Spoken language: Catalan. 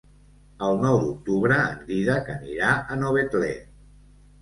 El nou d'octubre en Dídac anirà a Novetlè.